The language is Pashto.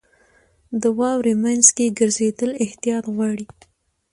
• د واورې مینځ کې ګرځېدل احتیاط غواړي.